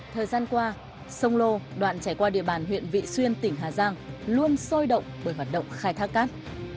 thời gian qua sông lô đoạn chảy qua địa bàn huyện vị xuyên tỉnh hà giang luôn sôi động bởi hoạt động khai thác cát